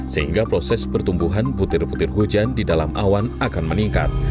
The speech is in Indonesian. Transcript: sehingga proses pertumbuhan butir butir hujan di dalam awan akan meningkat